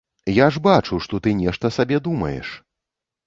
Я ж бачу, што ты нешта сабе думаеш!